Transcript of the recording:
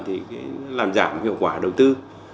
thì làm giảm hiệu quả đầu tư